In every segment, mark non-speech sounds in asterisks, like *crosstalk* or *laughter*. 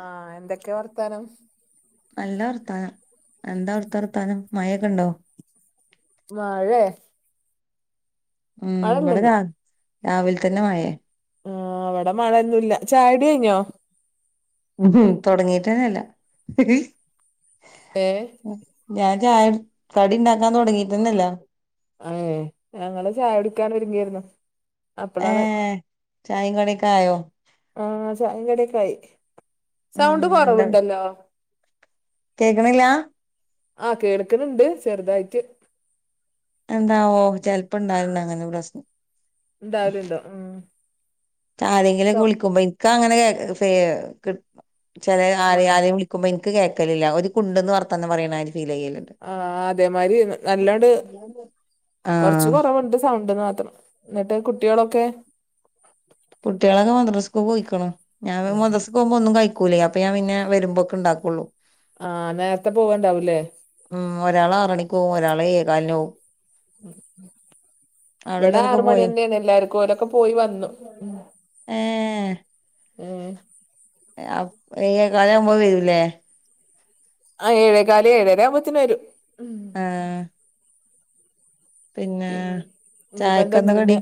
ആഹ് എന്തൊക്കെയാ വർത്താനം? നല്ല വർത്താനം എന്താ അവിടുത്തെ വർത്താനം മഴൊക്കെ ഉണ്ടോ? മഴേ ഉം ഇവിടെ മഴണ്ടന്ന് രാവിലെ തന്നെ മഴയാ. ആഹ് ഇവിടെ മഴൊന്നുല്ല. ചായകുടി കഴിഞ്ഞോ? ഉം തുടങ്ങീട്ടന്നല്ല ഏഹ്? ഞാൻ ചായ കടി ഇണ്ടാക്കാൻ തൊടങ്ങീട്ടന്നെ ഇല്ല. ഏഹ്? ഞങ്ങള് ചായ കുടിക്കാൻ ഒര്ങ്ങായിരുന്നു. ഏ അപ്പളാണ്. ചായയും കടിയൊക്കെ ആയോ ആഹ് ചായയും കടിയൊക്കെ ആയി. ഉം സൗണ്ട് കൊറവ്ണ്ടല്ലോ? കേക്കണില്ലാ? ആഹ് കേൾക്ക്ണുണ്ട് ചെറുതായിട്ട്. എന്താവോ ചെലപ്പം ഉണ്ടാവലുണ്ട് അങ്ങനെ പ്രശ്നം ഇണ്ടവാലുണ്ടോ ഉം ആരെങ്കിലുമൊക്കെ സൗ വിളിക്കുമ്പോ ഇന്ക് അങ്ങനെ ഫെ കിട്ട് ചില ആരെയും ആഹ് ആരെയും കിട്ട് ഇന്ക് കേൾക്കല്ലില്ല ഓര് കുണ്ട്ന്ന് വർത്താനം പറയുന്നാത്തിരി ഫീൽ ചെയ്യല്. ആഹ അതേമാരി നല്ലോണ്ട് ആ കൊറച്ച് കുറവുണ്ട് സൗണ്ട്ന്ന് മാത്രം. എന്നിട്ട് കുട്ടികളൊക്കെ കുട്ടികളൊക്കെ മദ്രസ്ക്ക് പോയിക്ക്ണ് ഞാൻ മ പോക്കുമ്പോ ഒന്നും കഴിക്കൂല്ലെ അപ്പൊ ഞാ പിന്നെ വരുമ്പോക്ക് ഉണ്ടാകൊള്ളൂ ആഹ് നേരത്തെ പോകണ്ടാവൂല്ലേ ആ ഒരാൾ ആറണിക്ക് പോവും ഒരാള് ഏഴ്കാലിന് പോവും. ഇവടെ അവിടെല്ലോലൊക്കെ ആറ് പോയോ മണിന്നെയാണ് എല്ലാർക്കും ഓലൊക്കെ പോയി വന്നു. ഏ ഉം എഴേകാലാവുമ്പോ വരൂല്ലേ ആ ഏഴേകാല് ഏഴര ആവുമ്പോത്തിന് വരും. ഉ ആഹ് പിന്നെ പിൻ ഇനീപ്പൊ എന്താ ചായക്കെന്താ ഇനി കടി പിന്നെ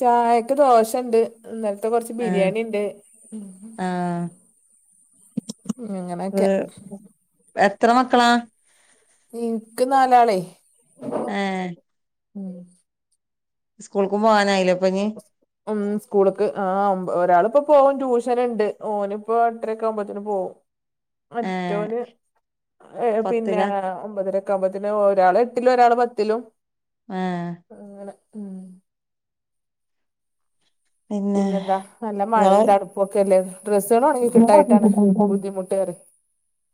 ചായക്ക് ദോശണ്ട് ഇന്നലത്തെ കൊറച്ച് ആഹ് ബിരിയാണിണ്ട്. ആഹ് ഏ എത്ര മക്കളാ ഇന്ക് നാലാളെ ആഹ് ഉം സ്കൂൾക്കും പോകാനായില്ലേ അപ്പൊ ഇഞ്ഞി. ഉം സ്കൂൾക്ക് ആ ഒരാളിപ്പോ പോകും ട്യൂഷനുണ്ട് ഓനിപ്പോ എട്ടരക്കെ ആവുമ്പോത്തിന് പോവും. ഏഹ് മറ്റോന് പിന്നെ പത്തിലാ ഒമ്പതര കാവുംമ്പതിന് ഒരാള് എട്ടിലും ഒരാൾ പത്തിലും ആഹ് അങ്ങനെ ഉം പിന്നെ പിന്നെന്താ നല്ല ഇങ്ങള് മഴയും തണുപ്പും ഒക്കെ അല്ലേ ഡ്രെസ്സാൾ ഉണങ്ങി കിട്ടായിട്ടാണ് ബുദ്ധിമുട്ട് പറയാ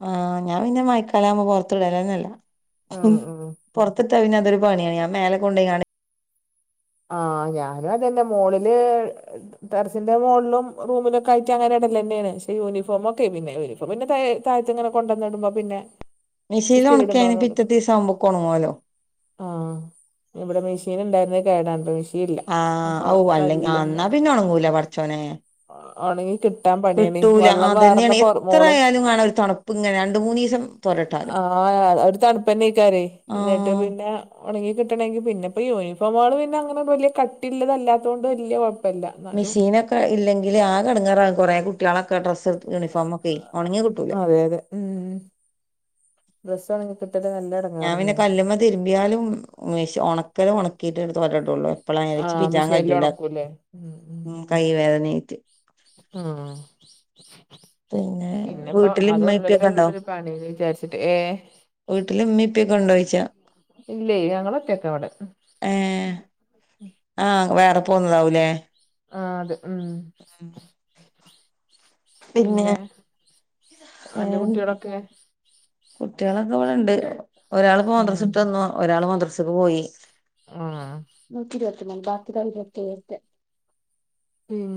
ആഹ് ഞാൻ പിന്നെ മയക്കാലം ആവുമ്പോ പൊറത്തിടലെനെയില്ലാ ആ ആ പുറത്ത് ത്തിട്ടാൽ അതൊരു പണിയാണ് ഞാൻ മേലെകൊണ്ടോയിങ്ങാണ്ട്. ആഹ ഞാനും അതെന്നെ മോളില് ടെറസിന്റെ മോളിലും റൂമിലൊക്കെയായിട്ട് അങ്ങനെ ഇടലെന്നെണ് പക്ഷേ യൂണിഫോമൊക്കെ പിന്നെ വരും. അപ്പ പിന്നെ താഴെ താഴത്തെന്നെ ങ്ങനെ കൊണ്ടൊന്നു ഇടുമ്പോ പിന്നെ മിഷിനിൽ ഇസ്തിരി ഇടുമ്പോ ഉണക്കിയാൽ അങ്ങട് പിറ്റേത്തെ എടുക്കും. ദിവസാവുമ്പോയേകും ഒണങ്ങുലോ? ആഹ് ഇവടെ മെഷീൻ ഉണ്ടായിരുന്നെ കേടാണ് മെഷീ ആഹ ഓ അല്ലെ എന്നാ പിന്ന ഉണങ്ങൂല പടച്ചോനെ ഒണങ്ങി കിട്ടാൻ പണിയാണ് കിട്ടൂല വെള്ളം അതന്നെയാണ് വാർന്നപോ എത്ര മോൾ ആയാലും കാണാ ഒരു തണുപ്പ് ഇങ്ങനെ രണ്ട് മൂന്ന് ദിവസം തോരട്ടാലും ആഹ ഒരു തണുപ്പന്നെകാരം എന്നിട്ട് ആഹ് പിന്നെ. ഉണങ്ങി കിട്ടണങ്കിൽ പിന്നെ ഇപ്പ യൂണിഫോമുകൾ പിന്നെ അങ്ങനെ വലിയ കട്ടിള്ളത് അല്ലാത്തോണ്ട് വലിയ കൊയ മെഷീനൊക്കെ ഇല്ലെങ്കിൽ ആകെ ഇടങ്ങേറാവു കുറെ കുട്ട്യാളെക്കെ ഡ്രസ്സ് യൂണിഫോമൊക്കെ ഒണങ്ങി കിട്ടൂലാ അതെ അതെ ഉ ഡ്രസ്സ് ഒണങ്ങി കിട്ടൽ നല്ല എട ഞാൻ പിന്നെ കല്ലുമ്മൽ തിരുമ്പിയാലും മെഷി ഒണകൽ ഒണക്കിട്ട് തോരൊഇടോള്ളും അപ്പള് ഞാൻ വിചാരിച്ചു ആഹ് *unintelligible* മിഷീനില് പറ്റൂലാന്ന് ഒണക്കൂല്ലേ ഉം കൈ വേദന ആയിട്ട് ആ പിന്നെ പിന്നെപ്പോ വീട്ടില് ഇമ്മ അതൊള്ളാലോ ഇപ്പിയൊക്കെ ഇപ്പോരു പണീന്ന് വിചാരിച്ചിട്ട് ഏ വീട്ടിൽ ഉമ്മി ഉപ്പഒകെ ഇണ്ടോയ്ച്ച ഇല്ലേ ഞങ്ങള് ഒറ്റകാ ഇവടെ ഏഹ് ആഹ് വേറെ പോന്നതാവുല്ലേ ആഹ് അത് ഉം ഏഹേ പിന്നെ അന്റെ കുട്യോളൊക്കെ? കുട്ട്യോളൊക്കെവ്ടെണ്ട് ഒരാള്പ്പോ ആഹ് മദ്രസുട്ടന്നു ഒരാള് മദ്രസ് ത്ത്ക്ക്പോയി ആഹ് നൂറ്റി ഇരുപത്തിമൂന്ന് ബാക്കി ദാ ഇര്പത്തേഴ് ഉം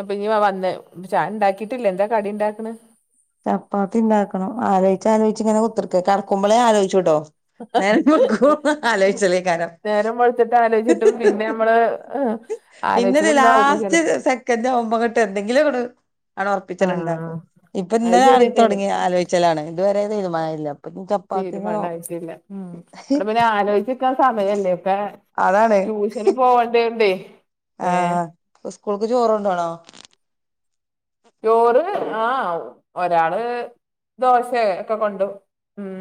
അപ്പഞ്ഞ് *unintelligible* ചായണ്ടാക്കിട്ടില്ല എന്താ കടിണ്ടാക്ക്ണെ? ചപ്പാത്തിണ്ടാക്കണം ആലോയിച്ച് ആലോയിച്ച്ങ്ങനെ കുത്ത്ർക്ക കട്ക്കുമ്പളേ ആലോയ്ച്ചുട്ടോ. നേരം വെൾക്കോളും ആലോയ്ചെലേക്കാരം നേരം വെളുത്തിട്ട് ആലോചിച്ചിട്ടും പിന്നെ നമ്മള് ആലോചിച്ചത് പിന്നെരു ഒന്നും ആവൂല ലാസ്റ്റ് ചെലപ്പോ സെക്കൻഡാവുമ്പങ്ങ്ട്ട് എന്തെങ്കിലുങ്ങ്ട് ആണ്ടൊർപ്പിച്ചാണ്ട്ണ്ടാക്കാ ആഹ് ഇപ്പന്ന് അത് രാവിലെ തൊടങ്ങി ശരിയെന്നേണ് ആലോയിച്ചലാണ് ഇത് വരെ തീരുമാനയില്ല തീരുമാനായിട്ടില്ല ഉംഹ് ഇവടെ പിന്നെ ആലോയ്ച്ച്ക്കാൻ സമയല്ലേ ഒക്കെ അതാണ് ട്യൂഷന് പോവണ്ടയോണ്ടോ ആഹ് ഉസ്കൂൾക്ക് ചോറൊണ്ടോണോ? ചോറ് ആ ഒരാള് ദോശേ ഒക്കെ കൊണ്ടോവും ഉം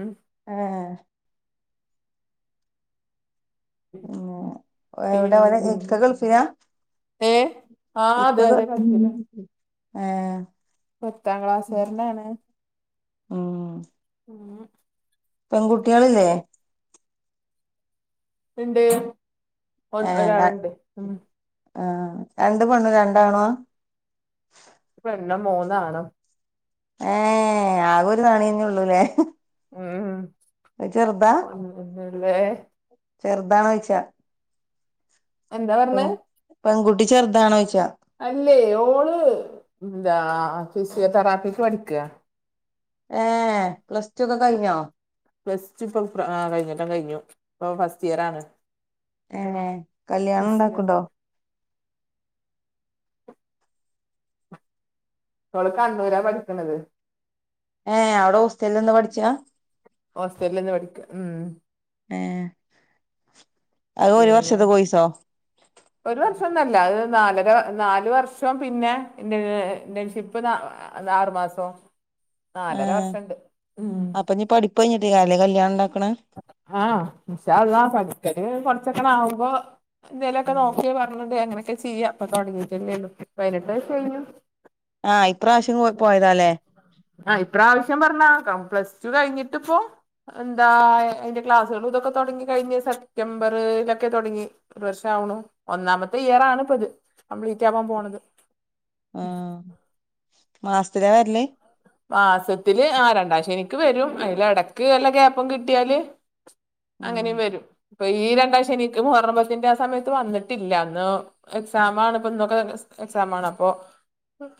എ ഏഹ്. മ് എവ്ടെ ഓലെ ഇക്ക ഗെൾഫിലാ? ഏഹേ? ആഹ അതെ അതെ പത്തിലാ ഏഹേ പത്താം ക്ലാസാര്ന്നാണ്. മ്ഹ് ഉംഹ് പെങ്കുട്ടിയേളില്ലേ? ഇണ്ട് ഒ ഏഹേ ആഹാ ഒരാളുണ്ട് ഉം രണ്ട് പെണ്ണും രണ്ട് ആണോ? ഒരു പെണ്ണും മൂന്നാണും ഏഹേ ആകൊരു തണിന്നൊള്ളുലേ? ഉംഹ് അഹ് ചെറ്താ? ഒന്നൂല്ലേ? ചെറുതാണോയിച്ചാ? എന്താ പറഞ്ഞത്? പെങ്കുട്ടി ചെറുതാണോയിച്ചാ? അല്ലേ ഓള് എന്താ ഫിസിയോ തെറാപ്പിക്ക് പഠിക്കാ ഏഹേ പ്ലസ്ടൊക്കെ കഴിഞ്ഞോ? ഫസ്റ്റ്പ്പൊ ആഹാ കഴിഞൊല്ലം കഴിഞ്ഞു ഇപ്പൊ ഫസ്റ്റിയറാണ്. ഏഹേ കല്യാണണ്ടാക്കുണ്ടോ? ഓള് ക്കണ്ണൂരാ പഠിക്ക്ണത്. ഏഹേ അവ്ടെ ഹോസ്റ്റല്ന്ന് പഠിച്ചാ? ഓസ്റ്റല്ല്ന്ന് പഠിക്ക ഉം. ഏഹ്. അഹ് ഒരു പിന്നെ വർഷതെ കോയിസോ? ഒരു വർഷൊന്നൊല്ല അത് നാലര നാല് വർഷം പിന്നെ ഇന്റേൺഷിപ്പ് അതാറ് മാസം നാലര വർഷണ്ട് ഉം. മ്പെയിഞ്ഞിട്ടെയ്ക്കാരെലേ കല്യാണണ്ടാക്ക്ണെ? ആഹ ഇൻശാഅല്ലാഹ് പഠിക്കല് കൊറച്ചൊക്കണാവുമ്പോ എന്തേലൊക്കെ ഉം നോക്കി പർ മ്മൾ അങ്ങെനൊക്കെ ചെയ്യ ഇപ്പൊ തൊടങ്ങിട്ടല്ലേ ഒള്ളൂ പൈനെട്ട് വയസു കഴിഞ്ഞു. ആഹ് ഇപ്രാവശ്യംവും പോയതല്ലേ? ആഹാ ഇപ്രാവിശ്യം പറഞ്ഞാ പ്ലസ്ടു കഴിഞ്ഞിട്ട്പ്പോ എന്താ അയിന്റെ ക്ലാസ്സേളും ഇതൊക്കെ തൊടങ്ങി കഴിഞ്ഞ സെപ്റ്റംബറ്ലൊക്കെ തൊടങ്ങി ഒരുവർഷം ആവുണു ഒന്നാമത്തെ ഇയർ ആണ്പ്പത് കംപ്ലീറ്റ് ആവാപോണത്. ആ മാസ്ത്തിലാ വെർല്ല്? മാസത്തില് ആ രണ്ടാം ശനിക്ക് വരും അയില് ഇടക്ക് വല്ല ഗ്യാപ്പും കിട്ടിയാല് ഉം അങ്ങനിം വരും ഇപ്പ ഈ രണ്ടാം ശനിക്ക് മുഹറം പത്തിന്റെ ആ സമയത്ത് വന്നിട്ടില്ല അന്ന് എക്സാമാണ് ഇപ്പ ഇന്നൊക്കെ ക്സ് എക്സാമാണ് അപ്പൊ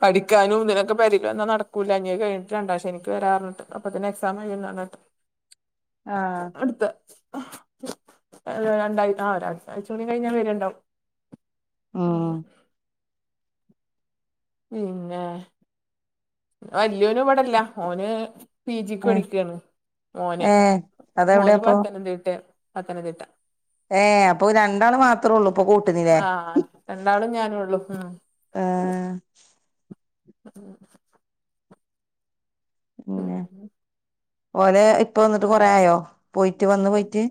പഠിക്കാനും ഇതിനൊക്കെ പെരില് വന്ന നട കൂല ഇഞ്ഞി അത് കഴിഞ്ഞിട്ട് രണ്ടാം ശനിക്ക് വെരാ പർഞ്ഞിട്ട് അപ്പത്തിന് എക്സാം കയ്യുല ആ നേരത്ത് ആഹ് അടുത്ത രണ്ട ആ രണ്ടാഴ്ചിം കൂടി കഴിഞ്ഞാൽ വരുണ്ടാവും ഉം പിന്നെ വല്യോനും ഇവടെ ഇല്ല ഓന് പി ജിക്ക് ഏഹ് പഠിക്കയാണ് മോന് ഏഹ് മോന് അതെവിടെയാപ്പൊ പത്തനംതിട്ടേണ് പത്തനംതിട്ട ഏഹ് അപ്പൊ രണ്ടാള് മാത്ര ത്രോള്ളു പ്പൊ ക്കൊ ആഹ് രണ്ടാളും ഞാനൊള്ളൂ ഉം ആഹ് *unintelligible* ഉം ഓലെ പ്പ വന്നിട്ട് കൊറേ ആയോ പോയിട്ട് വന്ന് പോയിറ്റ്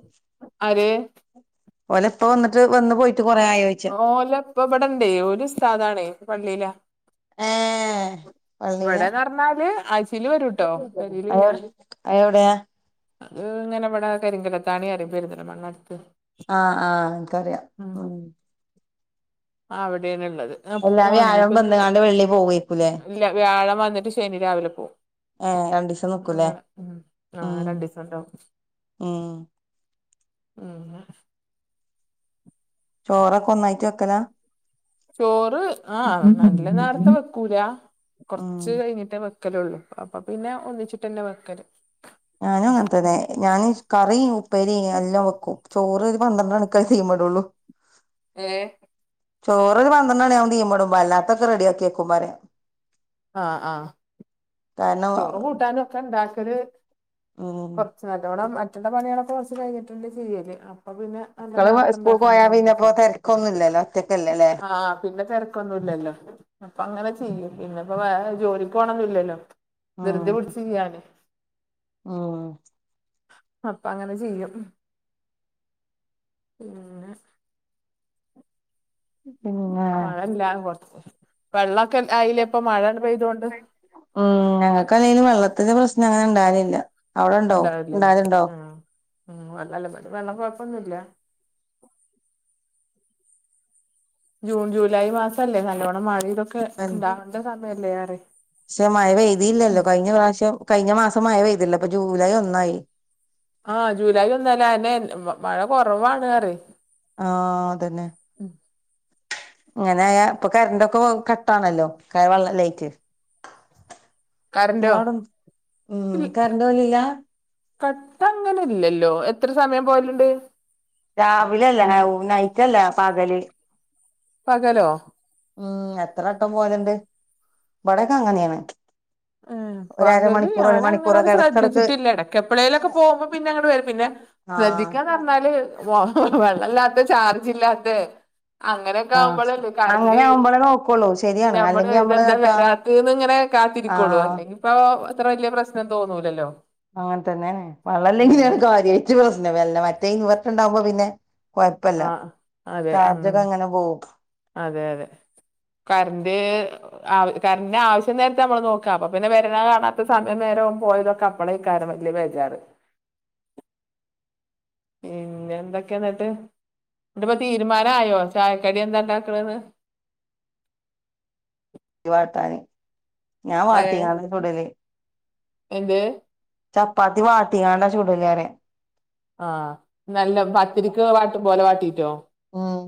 ആര് ഓലെ ഇപ്പ വന്നിട്ട് വന്ന് പോയി ഉം ഓലപ്പ ഇവിടണ്ടേ ഓല് സ്താദാണേ പള്ളിയിലാ ഏഹ് പള്ളീലാ ഇവിടെന്ന് പറഞ്ഞാല് ആഴ്ചയില് വരൂട്ടോ പെരേലില്ല അതെവിടാ അത് ഇങ്ങനെ ഇവിടെ കരിങ്കലത്താണി റിയും പെരിന്തൽമണ്ണ അടുത്ത് ആ ആഹ് ഇൻക്കറിയാ ഉം അവിടെയാണ് ഇള്ളത് ആ എല്ലാ വ്യാഴം വന്നപ്പിന്ന് വരും വന്ന്കാണ്ട് വെള്ളി പോവേക്കൂലേ വ്യാഴം വന്നിട്ട് ശനി രാവിലെ പോവും ഏ രണ്ടീസം നിക്കൂലേ അങ്ങനെ ഉം ആ ഉം രണ്ടിസം ഇണ്ടാവും ഉം ഉം ചോറൊക്കെ ഒന്നായിട്ട് വെക്കല ചോറ് ആഹ് നല്ല നേരത്തെ വെക്കൂല ഉം കൊറച്ച് കഴിഞ്ഞിട്ട് വെ വെക്കലൊള്ളൂ അപ്പൊപിന്നെ ഒന്നിച്ചിട്ട്ന്നെ വെക്കല് ഞാനും അങ്ങനെത്തന്നെ ഞാൻ കറിം ഉപ്പേരിം എല്ലാം വെക്കും ചോറ് ഒരു പന്ത്രണ്ടണിക്ക് തീമ്മെടൊള്ളൂ *unintelligible* ഏഹ് ചോറ് ഒരു പന്ത്രണ്ടണി ആവും തീമ്മെ ഇടുംബോ അല്ലാത്തൊക്കെ റെഡിയാക്കി വെക്കും പറയ ആ ആഹ് കാരണം ചോറും കൂട്ടാനും ഒക്കെ ഇണ്ടാക്കല് ഉം കൊറച്ച് നല്ലോണം അ ഇക്കണ്ട പണിയാളൊക്കെ കുറച്ച് കഴിഞ്ഞിട്ടെന്നേ ചെയ്യല് പിന്നെ നല്ല മക്കള് നേരത്തെ സ്കൂൾക്ക്‌ പോയാ ഉണ്ടാക്കണ്ടല്ലോ പിന്നെപ്പോ തിരക്കൊന്നുല്ലല്ലോ ഒറ്റക്കല്ലേ ല്ലേ ആ പിന്നെ തെരക്ക ക്കൊന്നുല്ലല്ലോ അപ്പൊ അങ്ങനെ ചെയ്യും പിന്നെപ്പ വേറെ ജോലിക്കോണൊന്നും ഇല്ലല്ലോ ഉം ധൃതി പിടിച്ച് ചെയ്യാന് ഉം അപ്പൊ അങ്ങനെ ചെയ്യും പിന്നെ പിന്നെ മഴ ഇല്ലാ കൊറച്ച് വെള്ളൊക്കെ ആയില്ലെ ഇപ്പ മഴണ്ട് പെയ്തോണ്ട് ഉം ഞങ്ങൾക്ക് അല്ലെങ്കിലും വെള്ളത്തിന്റെ പ്രശ്നം അങ്ങനെ ഇണ്ടാലില്ല ഉണ്ടാവില്ലേ അ അ വല്ലല്ല വെള്ളം കൊഴപ്പൊന്നുല്ല. ജൂൺ ജൂലൈ മാസം അല്ലേ നല്ലോണം മയിതൊക്കെ ണ്ടാവണ്ട സമയല്ലേ റ ക്ഷെ മഴ പെയ്തില്ലല്ലോ കഴിഞ്ഞ പ്രാവശ്യം കഴിഞ്ഞ മാസം മഴ പെയ്തല്ലോ ഇപ്പ ജൂലൈ ഒന്നായി ആഹ ജൂലൈ ഒന്നല്ല അന്നെ മഴ കുറവാണ് റെ ആഹ അതന്നെ ഇങ്ങനെ ഇപ്പൊ കരണ്ടൊക്കെ കട്ടാണല്ലോ ക വെള്ളം ലേയ്റ്റ് കറന്റോ ഇങ്ങളെ ടം മ്മ് കറണ്ട് വന്നീല കട്ട അങ്ങന ഇല്ലല്ലോ. എത്ര സമയം പോയലുണ്ട്? രാവില അല്ല *unintelligible* നൈറ്റ്ല്ല പാകല് പകലോ ഉം എത്രാട്ടം പോലണ്ട്. ഇവിടൊക്കെ അങ്ങനെയാണ് ഏഹ് ഉ *unintelligible* പകല് ഞാനങ്ങനെ ശ്രദ്ധിച്ചിട്ടില്ല ഇടക്കപ്പള്ളയിലൊക്കെ പോുമ്പോ പിന്നെ അങ്ങോട് വരും പിന്നെ ശ്രദ്ധിക്കാന്ന് ആഹ് പറഞ്ഞാല് *unintelligible* വെള്ള ഇല്ലാത്ത ചാർജ്ല്ലാത്ത അങ്ങനെയൊക്കെ ആഹ് ആവുമ്പോളല്ലേ കറണ്ട്റ് അങ്ങനെ ആവുമ്പോളേ നോക്കുള്ളൂ ശരിയാണ് ഞമ്മള് അല്ലെങ്കി നമ്മള് ഇതെന്താ എത്താ വരാ അതന്ന ഇങ്ങനെ കാത്തിരിക്കോളൂ ആഹ് അല്ലെങ്കി ഇപ്പ ഇത്ര വലിയ പ്രശ്നം തോന്നൂലല്ലോ അങ്ങനെ തന്നെണ് ഏഹ് വള്ളല്ലെങ്കനെയാണ് കാര്യയി്റ്റ് പ്രശ്നം വല്ല മറ്റേ ഇൻവെർട്ട ഉണ്ടാകുമ്പോ പിന്നെ കൊഴപ്പല്ല. ആഹ് അതെ ഉം ചാർജൊക്കെ അങ്ങനെ പോകും. അതെ അതെ കറണ്ട് ആ കരന്റെ ആവശ്യം നേരത്തെ നമ്മള് നോക്കുക അപ്പൊ പിന്നെ വരന കാണാത്ത സമയം നേരവും പോയതൊക്കെ ഇപ്പളെ കാരം വല്യ വേജാറ് പിന്നെ എന്തൊക്കെയന്നിട്ട് തീരുമാനയോ ചായക്കടി എന്താ ഉണ്ടാക്കണന്ന് വാട്ടാന് ഞാൻ ഏ വാട്ടിങ്ങാണ്ടാ ചുടല് എന്ത് ചപ്പാത്തി വാട്ടിയാണ് ചൂടും ഞാന് ആഹ നല്ല പത്തിരിക്ക് *unintelligible* ഉം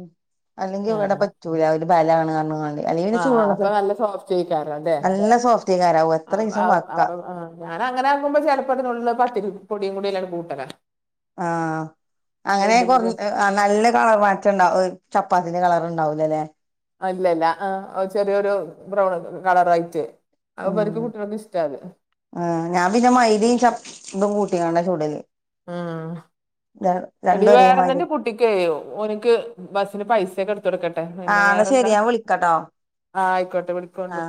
അല്ലെങ്കി ഇവിടെ ആഹ് പറ്റൂല ഒരു ബലാ ണ് പറഞ്ഞകാട് അല്ലെപിന്നെ ആഹ് അപ്പൊ ചൂടുല്ലട്ടിൽ നല്ല സോഫ്റ്റ് ആയിക്കാരം അല്ലേ നല്ല സോഫ്റ്റ് കാരാവ എത്ര അ- ദിവസം അ- വക്കാ അപ്പൊ ആഹ് ഞാൻ അങ്ങനെ ആകുമ്പോ ചെലപ്പോ അതിനുള്ളത് പത്തിരി പൊടിയും അയി ൽ കുട്ടലാണ് ആ അങ്ങനെ കുറ കൂടി ആ നല്ല കളർ മറ്റ ഇണ്ടാവും ചപ്പാത്തിന്റെ കളർണ്ടാവല അല്ലേ അല്ലല്ല ആ ചെറിയൊരു ബ്രൗൺ കളറ ആയിട്ട് അഹ ഇവർക്കും കുട്ടികൾക്കക്ക് ഇഷ്ടാണ് ആ ഞാൻ പിന്നെ മൈദി ചപ്പതും കൂട്ടിക്കണ്ട ചൂടല് ഉം എടി രണ്ടും ഒരേ മാതിരി വേറെന്തെന്റെ കുട്ടിക്ക്‌ ഒനിക്ക് ബസ്സിന് പൈസയൊക്കെ എടുത്ത് കൊടുക്കട്ടെ, ആ പിന്നെ എന്നാ ശരി വേറെന്താ ഞാൻ വിളിക്കാട്ടോ ആഹ ആയിക്കോട്ടെ ആ വിളിക്കോണ്ടു